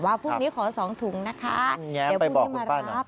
ว่าพรุ่งนี้ขอ๒ถุงเดี๋ยวพี่ไปลองมารับ